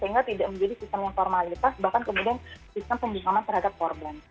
sehingga tidak menjadi sistem yang formalitas bahkan kemudian sistem pembukaman terhadap korban